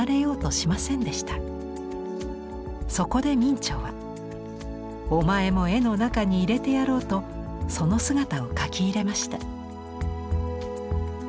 そこで明兆は「お前も絵の中に入れてやろう」とその姿を描き入れました。